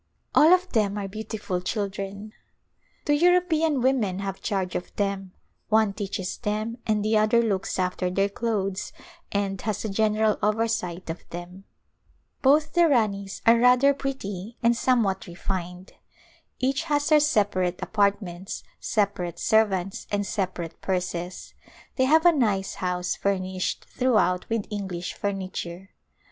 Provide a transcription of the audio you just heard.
All of them are beautiful children. Two European women have charge of them ; one teaches them and the other looks after their clothes and has a general oversight of them. Both the Ranis are rather pretty and somewhat re fined. Each has her separate apartments, separate servants and separate purses. They have a nice house furnished throughout with English furniture.